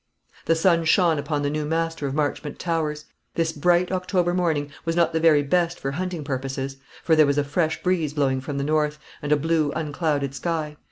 The sun shone upon the new master of Marchmont Towers. This bright October morning was not the very best for hunting purposes; for there was a fresh breeze blowing from the north, and a blue unclouded sky.